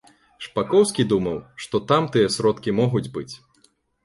Шпакоўскі думаў, што там тыя сродкі могуць быць.